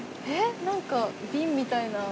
えっ何か瓶みたいな。